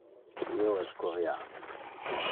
Io es Corean.